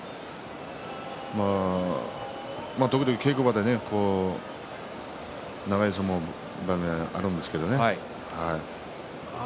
時々、稽古場で長い相撲場面、あるんですけどね。